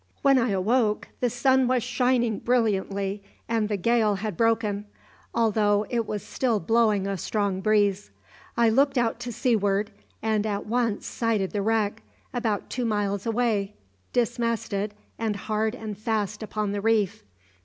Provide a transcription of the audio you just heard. "When I awoke the sun was shining brilliantly, and the gale had broken, although it was still blowing a strong breeze. I looked out to seaward, and at once sighted the wreck, about two miles away, dismasted, and hard and fast upon the reef.